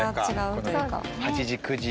この８時９時。